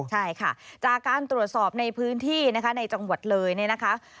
ใช่ค่ะจากการตรวจสอบในพื้นที่นะคะในจังหวัดเลยเนี่ยนะคะ